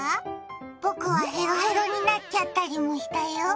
僕はヘロヘロになっちゃったりもしたよ。